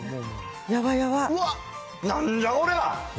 うわっ、なんじゃこりゃ。